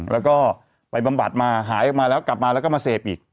แล้วก็ไปบำบัดมาหายออกมาแล้วกลับมาแล้วก็มาเสพอีก